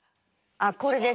あっこれですね。